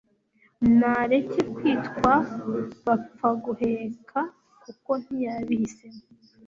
nareke kwitwa bapfaguheka kuko ntiyabihisemo